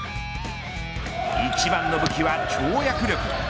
一番の武器は跳躍力。